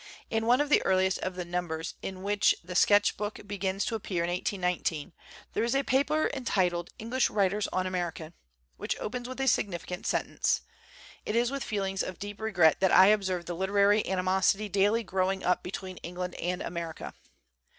In one of the earliest 94 THE CENTENARY OF A QUESTION of the numbers in which the ' Sketch Book' began to appear in 1819, there is a paper entitled 'English Writers on America/ which opens with a significant sentence: "It is with feelings of deep regret that I observe the literary animosity daily growing up between England and Amer ica."